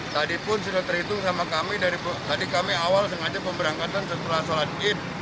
tadi pun sudah terhitung sama kami dari tadi kami awal sengaja pemberangkatan setelah sholat id